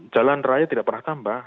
jalan raya tidak pernah tambah